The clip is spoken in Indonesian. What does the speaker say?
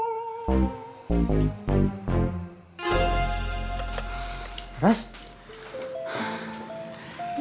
emang khawatir orang tuanya ajat tahu kalau ajat dipukulin preman